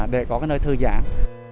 để có nơi thư giãn